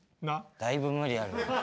だいぶ無理ある。